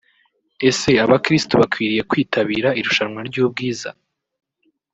Ese abakristo bakwiriye kwitabira irushanwa ry'ubwiza